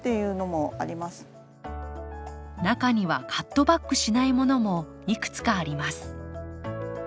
中にはカットバックしないものもいくつかあります。